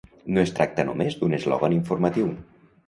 No es tracta només d’un eslògan informatiu.